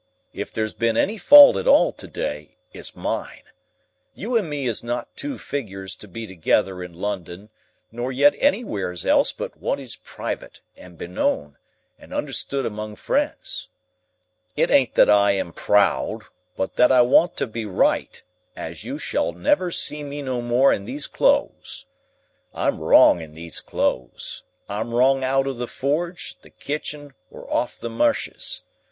If there's been any fault at all to day, it's mine. You and me is not two figures to be together in London; nor yet anywheres else but what is private, and beknown, and understood among friends. It ain't that I am proud, but that I want to be right, as you shall never see me no more in these clothes. I'm wrong in these clothes. I'm wrong out of the forge, the kitchen, or off th' meshes.